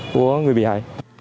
của người bị hại